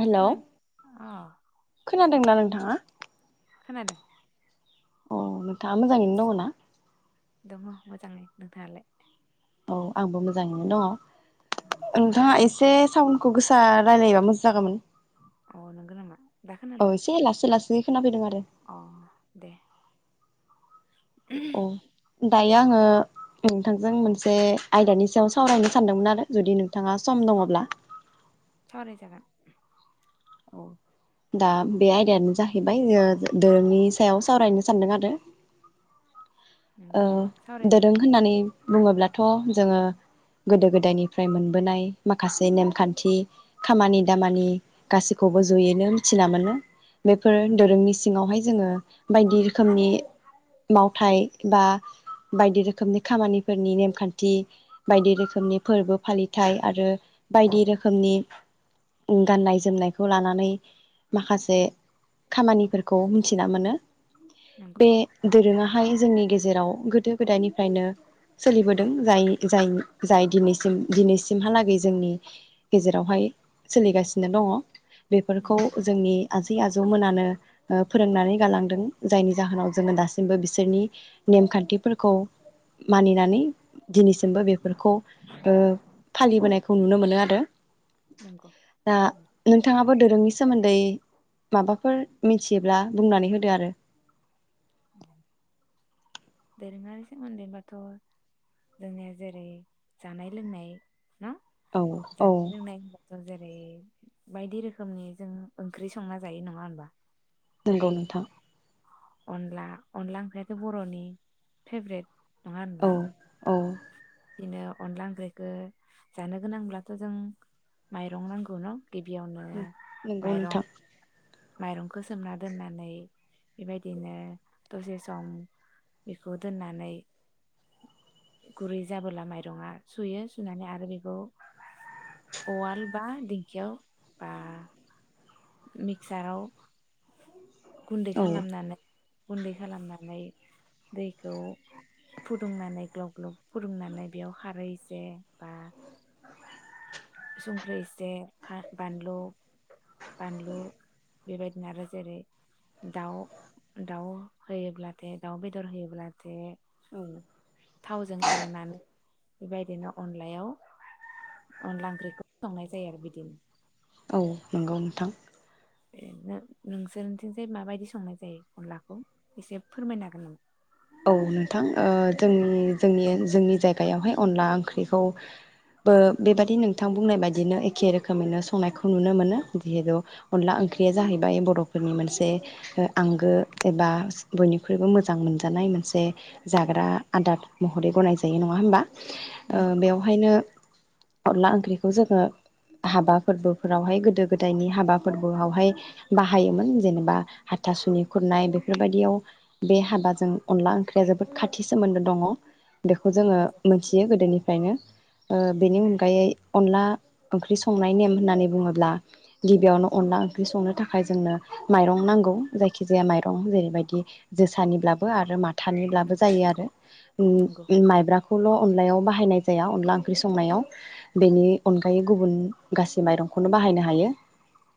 Hello खोनादों अ खोनादोंना नोंथाङा। खोनादों। अ नोंथाङा मोजाङैनो दङ ना। दङ मोजाङै नोंथाङालाय। औ आंबो मोजाङैनो अ दङ। मा नोंथांआ खालाम इसे सावन गोसा रायलायबा मोजां जागौमोन। अ नोंगौ नामा दाखोना दो बे खोना फैदों आरो। अ दे। औ। दायो आङो नोंथांजों मोनसे आयदानि सायाव सावरायनो सानदोंमोन आरो जुदि नोंथाङा सम दङब्ला। सावराय जागोन। औ दा बे आयदायानो जाहैबाय ज दोरोंनि सायाव सावरायनो सानदों आरो। ओ नंगौ नङा दोरों सावरायजागोन होननानै बुङोब्लाथ' जोङो गोदो गोदायनिफ्राय मोनबोनाय माखासे नेमखान्थि खामानि दामानि गासैखौबो जयैनो मिथिना मोनो बेफोर नंगौ दोरोंनि सिङावहाय जोङो बायदि रोखोमनि मावथाय बा बायदि रोखोमनि खामानिफोरनि नेमखान्थि बायदि रोखोमनि फोरबो फालिथाय आरो बायदि रोखोमनि गाननाय जोमनायखौ लानानै माखासे खामानिफोरखौ मिथिना मोनो। नंगौ बे धोरोंआ हाय जोंनि गेजेराव गोदो गोदायनिफ्रायनो सोलिबोदों जाय जाय जाय दिनैसिम दिनैसिमहालागै जोंनि गेजेरावहाय सोलिगासिनो दङ। [unintelligible] बेफोरखौ नंगौ जोंनि आजै आज जौ मोनानो ओ फोरोंनानै गालांदों जायनि जाहोनाव जोङो दासिमबो बिसोरनि नेमखान्थिफोरखौ मानिनानै दिनैसिमबो बेफोरखौ ओ फालिबोनायखौ नुनो मोनो आरो नंगौ दा नोंथाङाबो दोरोंनि सोमोन्दै माबाफोर मिथियोब्ला बुंनानै होदो आरो दोरोङारि सोमोन्दै बाथ जोंनि जेरै जानाय लोंनाय होम औ औ जानाय लोंनाय होनबाथ जेरै बायदि रोखोमनि जों ओंख्रि संना जायो नङा होनबा नंगौ जेरै नोंथां अनला अनला ओंख्रियाथ बरनि फेब्रेट नङा औ होनबा औ बिदिनो अनला ओंख्रिखो जानो गोनांब्लाथ जों माइरं नांगौ न गिबियावनो नंगौ नोंथां माइरं माइरंखौ सोमना दोननानै बेबायदिनो दसे सम बेखौ दोननानै गुरै जाबोला माइरङा सुयो सुनानै आरो बेखौ उवाल बा दिंखियाव बा मिक्साराव गुन्दै औ खालामनानै गुन्दै खालामनानै दैखौ फुदुंनानै ग्लब ग्लब फुदुंनानै बेयाव खारहै इसे बा संख्रि एसे फा बानलु बानलु बेबायदिनो आरो जेरै दाउ दाउ होयोब्लाथाय दाउ बेदर होयोब्लाथाय थावजों एवनानै बेबायदिनो अनलायाव अनला ओंख्रिखौ संनाय जायो आरो बिदिनो औ नंगौ नोंथां नोंसोरथिंजाय माबायदि संनाय जायो अनलाखौ एसे फोरमायनो हागोन नामा औ नोंथां ओ जोंनि जोंनि जोंनि जायगायावहाय अनला ओंख्रिखौ बो बेबादि नोंथां बुंनाय बायदिनो एखे रोखोमैनो संनायखौ नुनो मोनो जिहेतु अनला ओंख्रिया जाहैबाय बरफोरनि मोनसे आंगो एबा बयनिख्रुइबो मोजां मोनज जानाय मोनसे जाग्रा आदार महरै गनाय जायो नङा होनबा ओ नंगौ बेवहायनो अनला ओंख्रिखौ जोङो हाबा फोरबोफोरावहाय गोदो गोदायनि हाबा फोरबोआवहाय बाहायोमोन जेनेबा हाथासुनि खुरनाय बेफोरबायदियाव बे हाबाजों अनला ओंख्रिया जोबोद खाथि सोमोन्दो दङ बेखौ जोङो नंगौ मोनथियो गोदोनिफ्रायनो ओ बेनि अनगायै अनला ओंख्रि संनाय नेम होननानै बुङोब्ला गिबियावनो अनला ओंख्रि संनो थाखाय जोंनो माइरं नांगौ जायखि जाया माइरं जेरैबायदि जोसानिब्ला बो आरो माथ थानिब्लाबो नंगौ जायो आरो नंगौ उम माइब्राख खौल अनलायाव बाहायनाय जाया अनला ओंख्रि संनायाव बेनि अनगायै गुबुन गासै माइरंखौनो बाहायनो हायो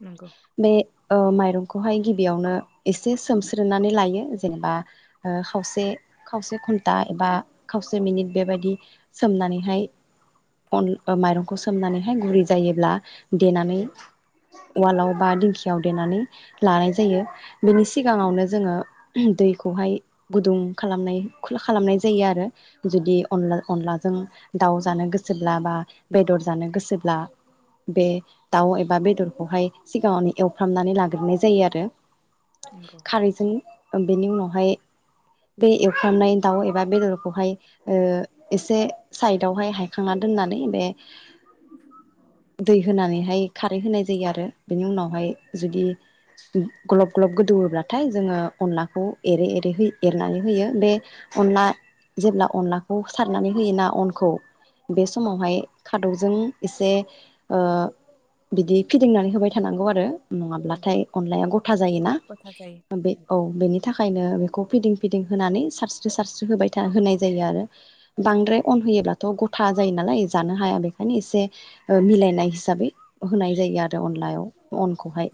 नंगौ बे ओ माइरं बेखौहाय गिबियावनो एसे सोमस्रोनानै लायो जेनेबा ओ खावसे खावसे घन्टा एबा खावसे मिनिट बेबायदि सोमनानैहाय अन माइरंखौ सोमनानैहाय गुरै जायोब्ला देनानै उवालाव बा दिंखियाव देनानै लानाय जायो बेनि सिगाङावनो जोङो दैखौहाय गुदुं खालामनाय खालामनाय जायो आरो जुदि अनला नंगौ अनलाजों दाउ जानो गोसोब्ला बा बेदर जानो गोसोब्ला बे दाउ एबा बेदरखौहाय सिगाङावनो एवफ्रामनानै लाग्रोनाय जायो आरो नंगौ खारैजों ओम बेनि उनावहाय बे एवफ्रामनाय दाउ एबा बेदरखौहाय ओ एसे साइदआवहाय हायखांना दोननानै बे दै होनानैहाय खारै होनाय जायो आरो बेनि उनावहाय जुदि ग्लब ग्लब गोदौओब्लाथाय जोंङो अनलाखौ एरै एरै होयो। एरनानै होयो बे अनला जेब्ला अनलाखौ सारनानै होयोना अनखौ बे समावहाय खादौजों एसे ओ बिदि फिदिंनानै होबाय थानांगौ आरो। नंगौ नङाब्लाथाय अनलाया गथा जायोना गथा जायो बे नंगौ औ बेनि थाखायनो बे फिदिं फिदिं होनानै सारस्रि सारस्रि होबाय था होनाय जायो आरो बांद्राय अन होयोब्लाथ' गथा जायो नालाय जानो हाया बेखायनो एसे मिलायनाय हिसाबै होनाय जायो आरो अनलायाव अनखौहाय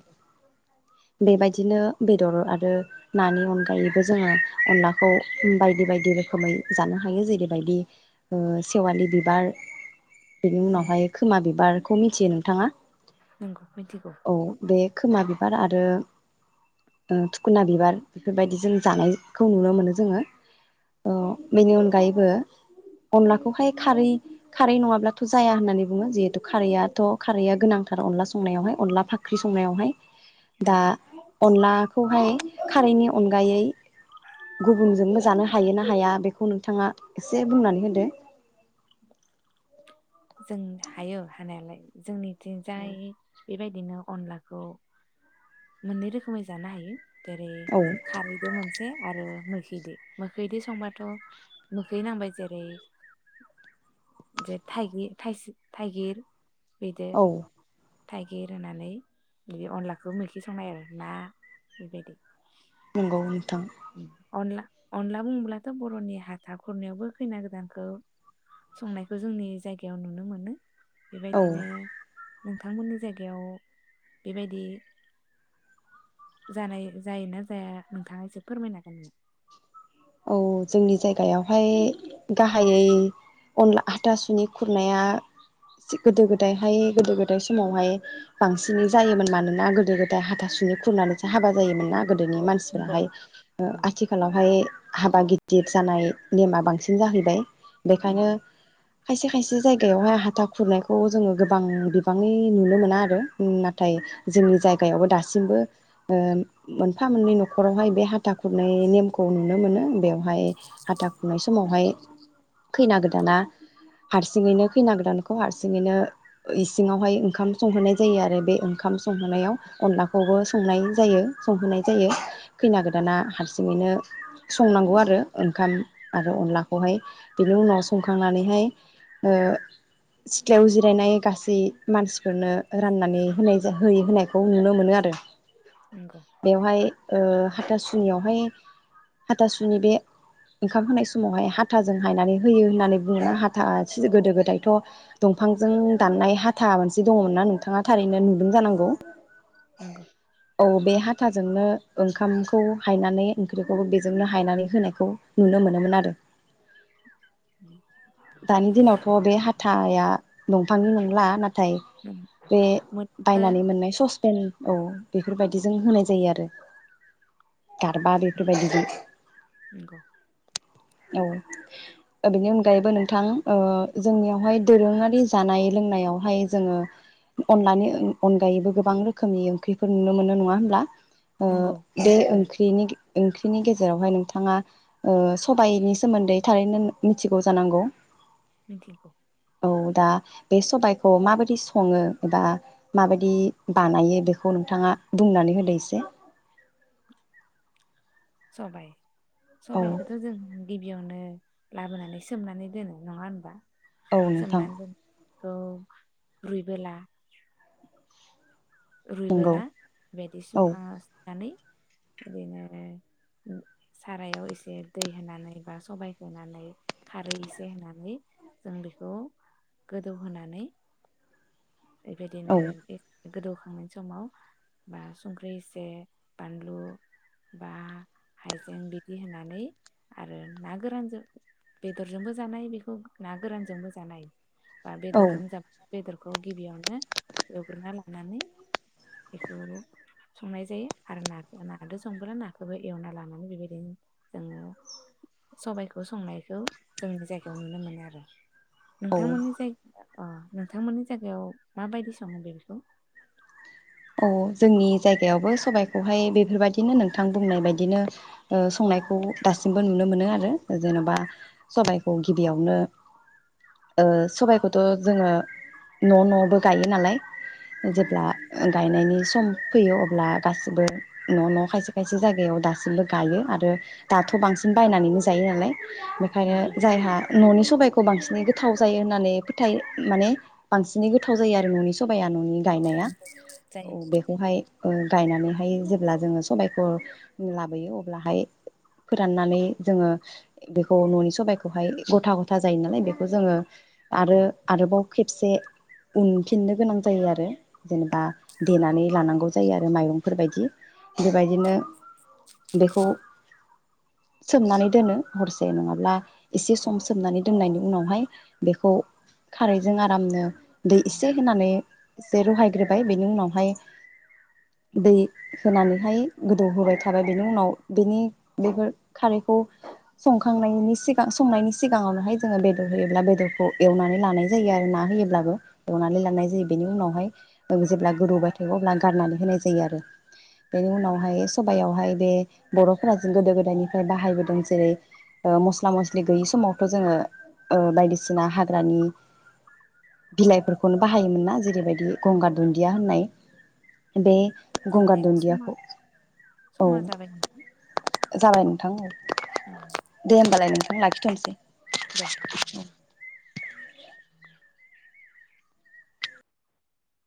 बेबायदिनो बेदर आरो नानि अनगायै बो जोंङो अनलाखौ बायदि बायदि रोखोमै जानो हायो जेरैबायदि सेवालि बिबार। बेनि नंगौ उनावहाय खोमा बिबार। बेखौ मिथियो नोंथाङा? नंगौ मिथिगौ। औ बे खोमा बिबार आरो थुखुना बिबार बेफोरबायदि जों जानायखौ नुनो मोनो जोंङो बेनि अनगायैबो अनलाखौहाय खारै खारै नङाब्लाथ' जाया होननानै बुङो जिहेथु खारैआथ' खारैया गोनांथार अनला संनायावहाय अनला फाख्रि संनायावहाय। दा नंगौ अनला बेखौहाय खारैनि अनगायै गुबुनजोंनो जानो हायो ना हाया बेखौ नोंथांङा एसे बुंनानै होदो। जों हायो हानायालाय जोंनि थिंजाय बेबायदि बिदिनो अनलाखौ मोननै रोखोमै जानो हायो। जेरै औ खारैदो मोनसे आरो मैस मोखैजों मोखैजों संबाथ' मोखै नांबाय जेरै ज थाइगि थायसो थाइगिर बिदो औ थाइगिर होनानै बिदि अनलाखौ मैखि संनाय आरो ना बेबायदि नंगौ नोंथां। अनला अनला बुङोब्लाथ' बर'नि हाथा खुरनायावबो खैना गोदानखौ संनायखौ जोंनि जायगायाव नुनो मोनो। औ बेबायदिनो नोंथांमोननि जायगायाव बेबायदि जानाय जायोना जाया नोंथाङा एसे फोरमायनो हागोन नामा? औ जोंनि जायगायावहाय गाहायै अनला हाथासुनि खुरनाया गोदो गोदायहाय गोदो गोदाय समावहाय बांसिनै जायोमोन मानोना गोदो गोदाय हाथासुनि खुरनानैसो हाबा जायोमोन ना। गोदोनि नंगौ मानसिफोराहाय नंगौ आथिखालावहाय हाबा गिदिर जानाय नेमा बांसिन जाहैबाय। बेखायनो नंगौ खायसे खायसे जायगायावहाय हाथा खुरनायखौ जोंङो गोबां बिबाङै नुनो मोना आरो नाथाय जोंनि जायगायावबो दासिमबो मोनफा मोननै न'खरावहाय बे हाथा खुरनाय नेमखौ नु नुनो मोनो बेयावहाय हाथा खुनाय समावहाय खैना गोदाना हारसिङैनो खैना गोदानख खौ हारसिङैनो इसिङावहाय ओंखाम संहोनाय जायो आरो बे ओंखाम संहोनायाव अनलाखौबो संनाय जायो संहोनाय जायो खैना गोदाना हारसिङैनो संनांगौ आरो ओंखाम आरो अनलाखौहाय बेनि उनाव संखांनानैहाय सिथ्लायाव जिरायनाय गासै मानसिफोरनो राननानै होनाय होयै होनायखौ नुनो मोनो आरो। नंगौ बेवहाय ओ हाथासुनियावहाय- हाथासुनि बे ओंखाम होनाय समावहाय हाथाजों हायनानै होयो होननानै बुङो हाथा गोदो गोदायथ' दंफांजों दाननाय हाथा मोनसे दङमोन नना नोंथाङा थारैनो नुदों जानांगौ। नंगौ औ बे हा थाजोंनो ओंखामखौ हायनानै ओंख्रिखौबो बे जोंनो हायनानै होनायखौ नुनो मोनोन आरो। [inaudible] दानि दिनावथ' बे हाथाया दंफांनि नंला नाथाय बे मोनबो बायनानै मोननाय ससपेन औ औ बेफोरबायदिजों होनाय जायो आरो गारबा बेफोरबायदिजों नोंगौ औ बेनि अनगायैबो नों थां ओ जोंनियावहाय दोरोङारि जानाय-लोंनायावहाय जोङो अनलानि अनगायैबो गोबां रोखोमनि ओंख्रिफोर नुनो मोनो नङा होमब्ला? ओ नंगौ बे ओंख्रिनि, ओंख्रि बिनि गेजेरावहाय नोंथाङा ओ सबाइनि सोमोन्दै थारैनो मिथिगौ जानांगौ। मिथिगौ औ दा बे सबाइखौ माबायदि सङो एबा माबायदि बानायो बेखौ नोंथाङा बुंनानै होदो एसे? सबाइ औ सबाइखौथ' जों गिबियावनो लाबोनानै सोमनानै दोनो नङा होमबा? औ नोंथां खौ रुइबोला नंगौ रुइबोला बेदि औ सुखांना-सुखांनानै बिदिनो सारायाव एसे दै होनानै बा सबाइ होनानै खारै एसे होनानै जों बेखौ गोदौहोनानै औ बेबायदिनो गोदौखांनायनि समाव बा संख्रि इसे बानलु बा हायजें बिदि होनानै आरो ना गोरानजों, बेदरजोंबो जानोहायो बेखौ ना गोरानजोंबो जानो हायो। बा औ बेदरजों जाब बेदरखौ गिबियावनो एवग्रोना ला नानै बेखौ संनाय जायो आरो ना-नादो संबोब्ला नाखौबो एवना लानानै बेबायदिनो जोङो सबाइखौ संनायखौ जोंनि जायगायाव नुनो मोनो आरो। औ नोंथांमोननि जायगाया अ नोंथांमोननि जायगायाव माबायदि सङो बे बेखौ? औ जोंनि जायगायावबो सबाइखौहाय बेफोरबायदिनो नोंथां बुंनाय बायदिनो ओ संनायखौ दासिमबो नुनो मोनो आरो जेन'बा सबाइखौ गिबियावनो ओ सबाइखौथ' जोङो न' न'आवबो गायो नालाय। नंगौ जेब्ला गायनायनि सम फैयो अब्ला गासिबो न- न', खायसे-खायसे जायगायाव दासिमबो गायो आरो दाथ' बांसिन बायनानैनो जायो नालाय बेखायनो नंगौ जायहा न'नि सबाइखौ बांसिनै गोथाव जायो होननानै फोथायो। माने बांसिनै गोथाव जायो आरो न'नि स बाया न'नि औ गायनाया। जायो बेखौहाय ओ गायनानैहाय जेब्ला जोङो सबायखौ लाबोयो अब्लाहाय फोराननानै जोङो बेखौ न'नि सबाइखौहाय गथा गथा जायो नालाय बेखौ जोङो आरो आरोबाव खेबसे उनफिननो गोनां जायो आरो। जेनेबा देनानै लानांगौ जायो आरो माइरंफोरबायदि बेबायदिनो बेखौ सोमनानै दोनो हरसे नङाबा एसे सम सोमनानै दोन्नायनि उनावहाय बेखौ खारैजों आरामनो दै एसे नंगौ होनानै एसे रुहाय ग्रोबाय। बेनि उनावहाय दै होनानैहाय गोदौ होबाय थाबाय बेनि उनाव बेनि बेफोर खारैखौ संखांनायनि सिगां संनायनि सिगाङावनोहाय जोङो बेदर होयोब्ला बेदरखौ एवनानै लानाय जायो आरो ना होयोब्लाबो एवनानै लानाय जायो बेनि उनावहाय जेब्ला गोदौबाय थायो अब्ला गारनानै होनाय जायो आरो बेनि उनावहाय सबायावहाय बे बर'फोरा जों गोदो गोदायनिफ्राय बाहायबोदों जेरै मस्ला मस्लि गैयि समावथ' जोङो ओ बायदिसिना हाग्रानि बिलाइफोरखौनो बाहायोमोन ना जेरैबायदि गंगार दुन्दिया होननाय बे गंगार जोंनिया समा दुन्दियाखौ औ समा जाबाय जाबाय ओम। नोंथां औ। उम दे होमबालाय नों थां लाखिथ'नोसै। दे